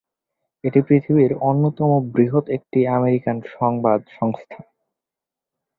এটি পৃথিবীর অন্যতম বৃহৎ একটি আমেরিকান সংবাদ সংস্থা।